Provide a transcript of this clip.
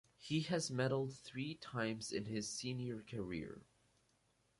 He has medalled three times in his senior career.